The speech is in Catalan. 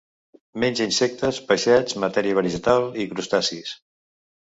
Menja insectes, peixets, matèria vegetal i crustacis.